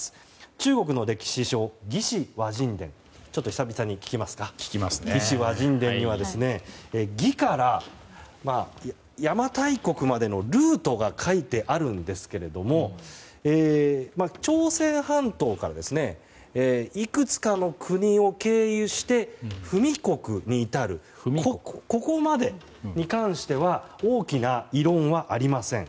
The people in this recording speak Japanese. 中国の歴史書、久々に聞きますが「魏志倭人伝」には魏から邪馬台国までのルートが書いてあるんですけれども朝鮮半島からいくつかの国を経由して不弥国に至るここまでに関しては大きな異論はありません。